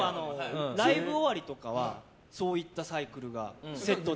ライブ終わりとかはそういったサイクルがセットで。